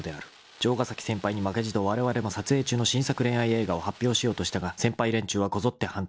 ［城ヶ崎先輩に負けじとわれわれも撮影中の新作恋愛映画を発表しようとしたが先輩連中はこぞって反対］